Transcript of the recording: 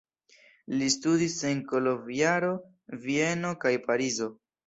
Li studis en Koloĵvaro, Vieno kaj Parizo.